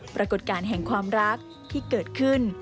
ปรากฏการณ์แห่งความรักที่เกิดขึ้น